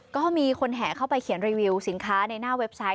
ก็มีคนแห่เข้าไปเขียนรีวิวสินค้าในหน้าเว็บไซต์